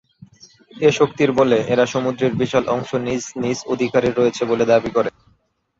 এ শক্তির বলে এরা সমুদ্রের বিশাল অংশ নিজ নিজ অধিকারে রয়েছে বলে দাবি করে।